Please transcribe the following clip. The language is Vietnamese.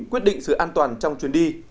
quyết định sự an toàn trong chuyến đi